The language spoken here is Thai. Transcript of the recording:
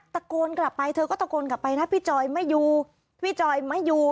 ตะโกนกลับไปเธอก็ตะโกนกลับไปนะพี่จอยไม่อยู่พี่จอยไม่อยู่